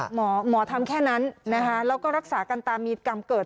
หมอทำแค่นั้นแล้วก็รักษากันตามีกรรมเกิด